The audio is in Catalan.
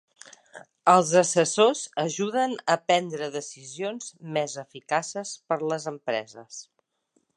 Els assessors ajuden a prendre decisions més eficaces per a les empreses.